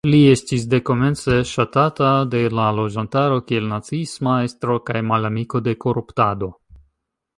Li estis dekomence ŝatata de la loĝantaro kiel naciisma estro kaj malamiko de koruptado.